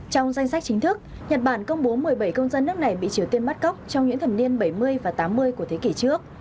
trong danh sách chính thức nhật bản công bố một mươi bảy công dân nước này bị triều tiên bắt cóc trong những thập niên bảy mươi và tám mươi của thế kỷ trước